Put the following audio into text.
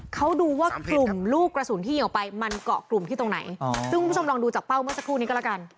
เขาดูว่ากลุ่มลูกกระสุนที่ยิงออกไปมันเกาะกลุ่มที่ตรงไหนซึ่งคุณผู้ชมลองดูจากเป้าเมื่อสักครู่นี้ก็แล้วกัน